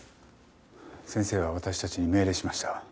先生は私たちに命令しました。